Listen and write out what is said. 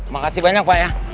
makasih banyak pak ya